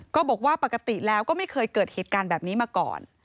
ก็บอกว่าปกติแล้วก็ไม่เคยเกิดเหตุการณ์แบบนี้มาก่อน